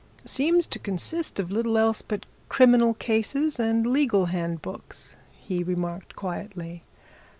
"Seems to consist of little else but criminal cases and legal handbooks," he remarked quietly.